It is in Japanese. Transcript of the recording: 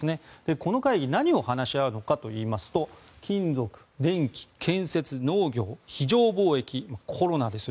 この会議何を話し合うのかというと金属、電気、建設、農業非常防疫、今回ならコロナです。